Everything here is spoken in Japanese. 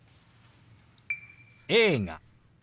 「映画」。